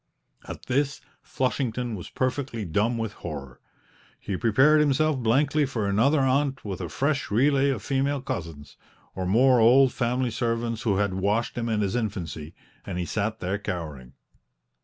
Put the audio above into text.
At this Flushington was perfectly dumb with horror; he prepared himself blankly for another aunt with a fresh relay of female cousins, or more old family servants who had washed him in his infancy, and he sat there cowering.